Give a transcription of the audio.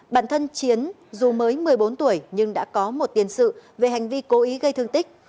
bản thân chiến dù mới một mươi bốn tuổi nhưng đã có một tiền sự về hành vi cố ý gây thương tích